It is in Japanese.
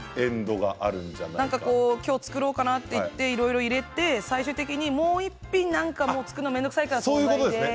今日、作ろうかなと思っていろいろ入れて最終的にもう一品作るの面倒くさいからということで。